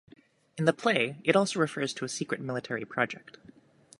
In the play, it also refers to a secret military project.